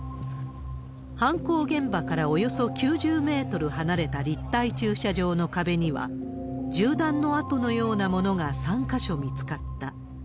犯行現場からおよそ９０メートル離れた立体駐車場の壁には、銃弾の痕のようなものが３か所見つかった。